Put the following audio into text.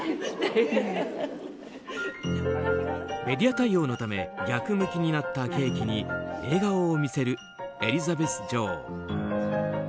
メディア対応のため逆向きになったケーキに笑顔を見せるエリザベス女王。